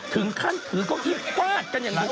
ถึงขั้นถือก็คิดป้าดกันอย่างน้อย